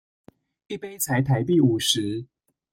一杯才台幣五十